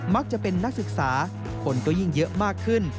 จะเป็นนักศึกษาคนก็ยิ่งเยอะมากขึ้น